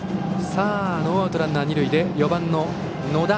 ノーアウトランナー、二塁で４番の野田。